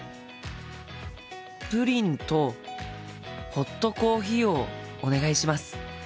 プリンとホットコーヒーをお願いします。